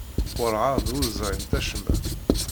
Werɛad ur ẓrint acemma.